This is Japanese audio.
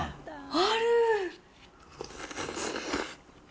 ある。